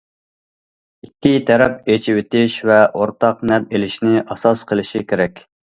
ئىككى تەرەپ ئېچىۋېتىش ۋە ئورتاق نەپ ئېلىشنى ئاساس قىلىشى كېرەك.